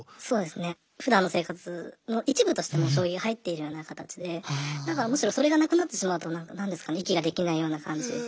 そうですね。ふだんの生活の一部としてもう将棋が入っているような形でだからむしろそれがなくなってしまうとなんですかね息ができないような感じ。